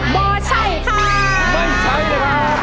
ไม่ใช่ไม่ใช่